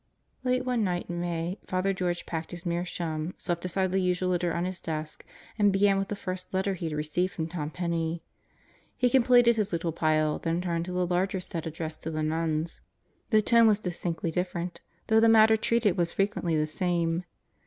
Late one night in May Father George packed Ms meerschaum, swept aside the usual litter on his desk and began with the first letter he had received from Tom Penney. He completed his little pile, then turned to the larger set addressed to the nuns. The tone was distinctly different, though the matter treated was frequently the same.